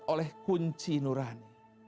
dikat oleh kunci nurani